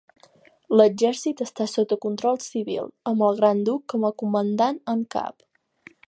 L'exèrcit està sota control civil, amb el gran duc com a comandant en cap.